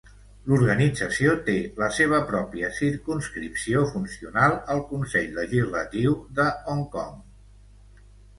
L'organització té la seva pròpia circumscripció funcional al Consell Legislatiu de Hong Kong.